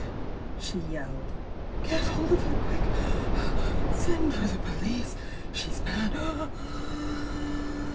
she yelled. Get hold of her quick ! Send for the police ! She's mad